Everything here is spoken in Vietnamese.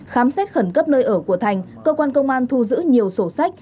khám xét khẩn cấp nơi ở của thành cơ quan công an thu giữ nhiều sổ sách